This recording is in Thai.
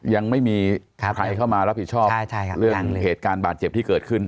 ยังไม่มีใครเข้ามารับผิดชอบเรื่องเหตุการณ์บาดเจ็บที่เกิดขึ้น